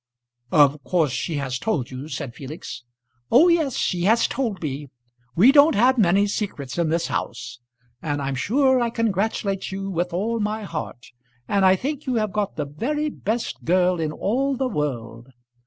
"Of course she has told you," said Felix. "Oh yes, she has told me. We don't have many secrets in this house. And I'm sure I congratulate you with all my heart; and I think you have got the very best girl in all the world.